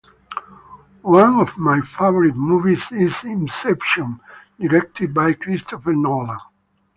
One of my favorite movies is "Inception," directed by Christopher Nolan.